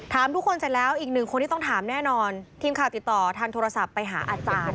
ทุกคนเสร็จแล้วอีกหนึ่งคนที่ต้องถามแน่นอนทีมข่าวติดต่อทางโทรศัพท์ไปหาอาจารย์